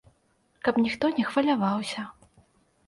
Каб ніхто не хваляваўся.